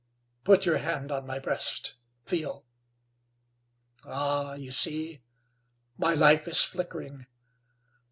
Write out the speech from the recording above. Put your hand on my breast. Feel. Ah! you see! My life is flickering.